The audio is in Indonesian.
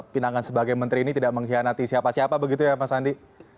pinangan sebagai menteri ini tidak mengkhianati siapa siapa begitu ya mas andi